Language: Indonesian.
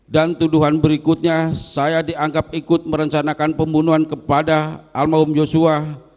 dan tuduhan berikutnya saya dianggap ikut merencanakan pembunuhan kepada al mahum yosua